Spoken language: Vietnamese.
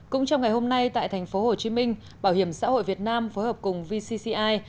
cũng trong ngày hôm nay tại thành phố hồ chí minh bảo hiểm xã hội việt nam phối hợp cùng vcci